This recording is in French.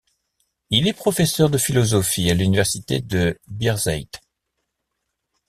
Il est professeur de philosophie à l'université de Birzeit.